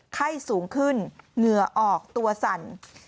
ไข้สูงขึ้นเหงื่อออกตัวสั่น